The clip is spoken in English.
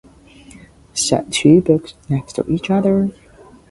Set two books next to each other.